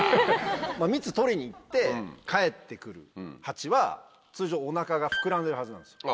ミツ取りに行って帰って来るハチは通常おなかが膨らんでるはずなんですよ。